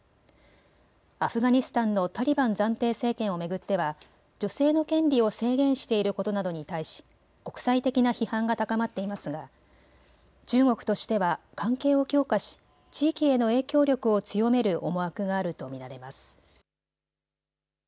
アフガニスタンのタリバン暫定政権を巡っては女性の権利を制限していることなどに対し国際的な批判が高まっていますが中国としては関係を強化し地域への影響力を強める思惑があると見られます。